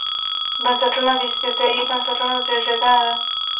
بنسټونه د استبدادي بنسټونو زېږنده ده.